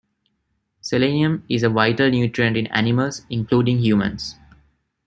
Selenium is a vital nutrient in animals, including humans.